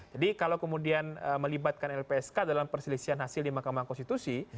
jadi kalau kemudian melibatkan lpsk dalam perselisihan hasil di mahkamah konstitusi